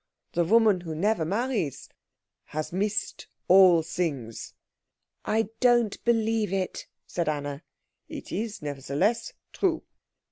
The woman who never marries has missed all things." "I don't believe it," said Anna. "It is nevertheless true."